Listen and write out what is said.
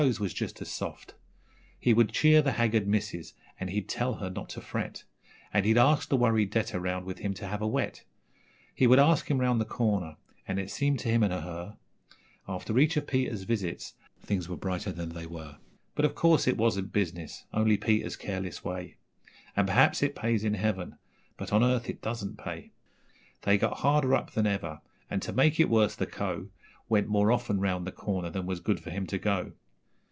's was just as soft); He would cheer the haggard missus, and he'd tell her not to fret, And he'd ask the worried debtor round with him to have a wet; He would ask him round the corner, and it seemed to him and her, After each of Peter's visits, things were brighter than they were. But, of course, it wasn't business only Peter's careless way; And perhaps it pays in heaven, but on earth it doesn't pay. They got harder up than ever, and, to make it worse, the Co. Went more often round the corner than was good for him to go.